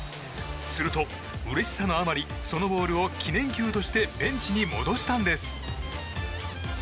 すると、うれしさのあまりそのボールを記念球としてベンチに戻したんです。